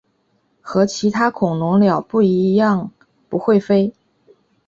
和其他恐鸟一样不会飞。